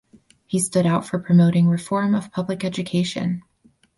He stood out for promoting reform of public education.